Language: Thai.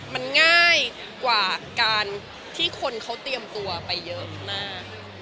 มันง่ายกว่าการที่คนเขาเตรียมตัวไปเยอะมาก